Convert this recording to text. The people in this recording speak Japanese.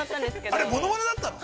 ◆あれものまねだったの？